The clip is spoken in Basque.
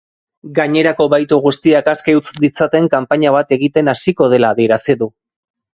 Gainerako bahitu guztiak aske utz ditzaten kanpaina bat egiten hasiko dela adierazi du.